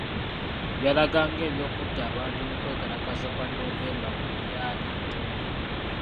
Byalaga ng’ebyokutta abantu mu kwekalakaasa kwa Novemba bwe lyali ettemu .